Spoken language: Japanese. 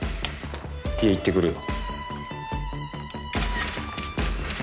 家行ってくるよ。